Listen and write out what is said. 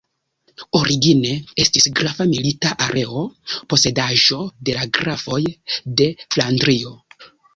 Origine estis grafa milita areo, posedaĵo de la grafoj de Flandrio.